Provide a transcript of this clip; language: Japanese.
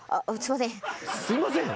「すいません」？